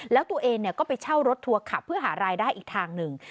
แล้วตัวเองก็ไปเช่ารถทัวร์ขับเพื่อหารายได้อีกทางหนึ่ง